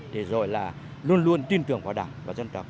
để rồi là luôn luôn tin tưởng vào đảng và dân tộc